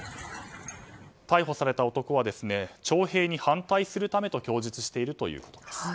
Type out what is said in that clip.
逮捕された男は徴兵に反対するためと供述しているということです。